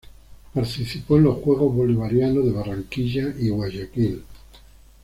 Participó en los Juegos Bolivarianos de Barranquilla y Guayaquil.